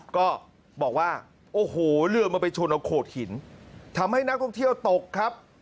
ก็บอกว่าโอ้โหเรือมันไปชนเอาโขดหินทำให้นักท่องเที่ยวตกครับ